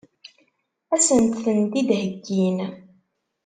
Ad sent-tent-id-heggin?